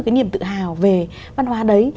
cái niềm tự hào về văn hóa đấy